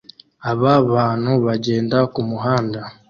Aba bantu bagenda kumuhanda